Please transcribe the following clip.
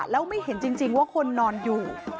แล้วไม่เห็นจริงว่าคนนอนอยู่